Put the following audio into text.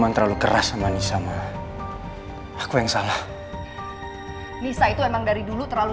terlalu keras sama nisa aku yang salah nisa itu emang dari dulu terlalu